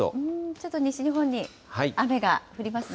ちょっと西日本に雨が降りますね。